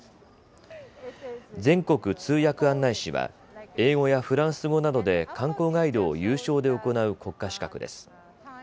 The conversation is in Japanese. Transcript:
全国通訳案内士は英語やフランス語などで観光ガイドを有償で行う国家資格です。